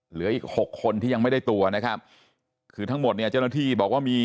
เหลืออีกหกคนที่ยังไม่ได้ตัวนะครับคือทั้งหมดเนี่ยเจ้าหน้าที่บอกว่ามี